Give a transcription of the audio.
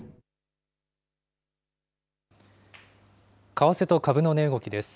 為替と株の値動きです。